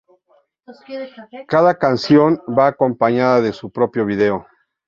Cada canción va acompañada de su propio vídeo.